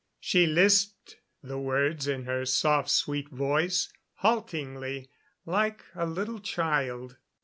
She lisped the words in her soft, sweet voice, haltingly, like a little child.